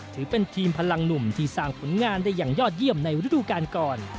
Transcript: ถือเป็นทีมพลังหนุ่มที่สร้างผลงานได้อย่างยอดเยี่ยมในฤดูการก่อน